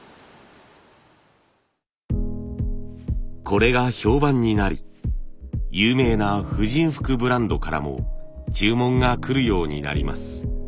これが評判になり有名な婦人服ブランドからも注文がくるようになります。